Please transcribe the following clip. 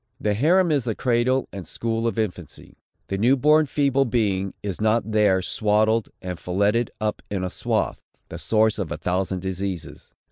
The harem is the cradle and school of infancy. The new born feeble being is not there swaddled and filletted up in a swathe, the source of a thousand diseases.